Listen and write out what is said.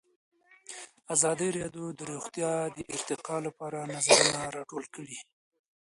ازادي راډیو د روغتیا د ارتقا لپاره نظرونه راټول کړي.